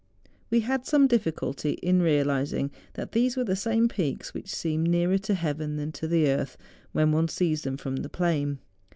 We had some difficulty in realising that these were the same peaks which seem nearer to heaven than to the earth when one sees them from the plain.